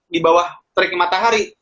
di bawah terik matahari